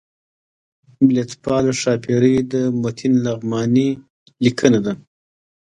ملتپاله ښاپیرۍ د متین لغمانی لیکنه ده